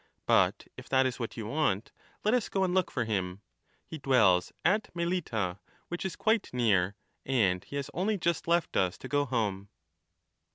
But, if that is what you want, let us go and look for him ; he dwells at Melita, which is quite near, and he has only just left us to go home.